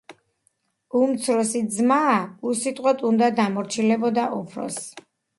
უმცროსი ძმა უსიტყვოდ უნდა დამორჩილებოდა უფროსს.